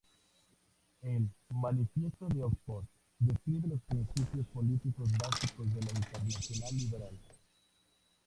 El "Manifiesto de Oxford" describe los principios políticos básicos de la Internacional Liberal.